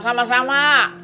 atau iya bu